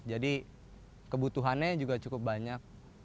jadi kebutuhannya juga cukup banyak